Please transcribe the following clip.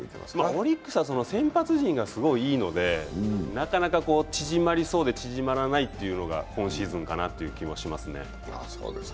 オリックスは先発陣がすごいいいのでなかなか縮まりそうで縮まらないというのが今シーズンかなという気がしますね。